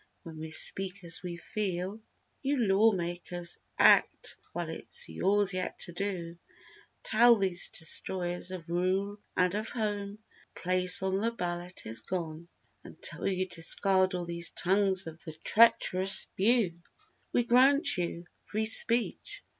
when we speak as we feel. You lawmakers, act! while it's yours yet to do; Tell these destroyers of rule and of home— "Your place on the ballot is gone, until you Discard all these tongues of the traitorous spew!" "We grant you 'Free Speech!